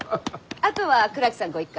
あとは倉木さんご一家。